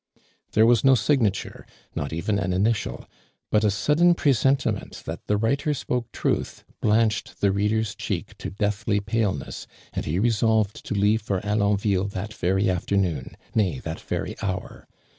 There was no signature, not even an ini tial, but a sudden presentiment that the writer spoke truth, blanched the reader's cheek to deathly paleness, and he resolved to leave for Alonville tha,t very afternoon, nay, that very hour.